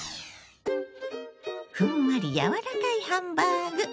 ふんわり柔らかいハンバーグ。